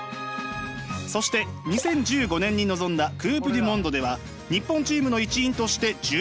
そして２０１５年に臨んだクープ・デュ・モンドでは日本チームの一員として準優勝。